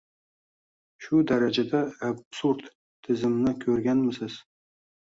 Shu darajada absurd tizimni ko‘rganmisiz?